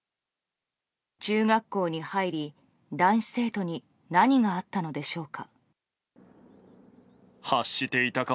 中学校に入り男子生徒に何があったのでしょうか。